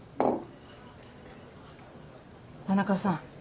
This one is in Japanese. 田中さん。